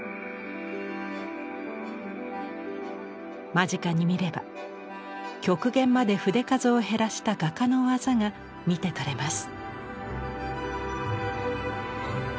間近に見れば極限まで筆数を減らした画家の技が見て取れます。